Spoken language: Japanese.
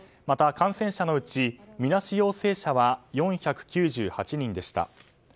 また、感染者のうちみなし陽性者は４９８人でした。